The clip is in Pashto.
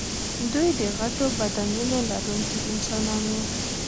دوی د غټو بدنونو لرونکي انسانان وو.